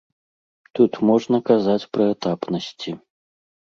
Тут можна казаць пра этапнасці.